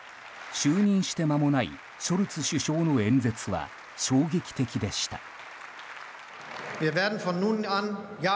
就任してまもないショルツ首相の演説は衝撃的でした。